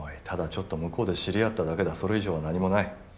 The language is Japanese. ただちょっと向こうで知り合っただけだそれ以上は何もない。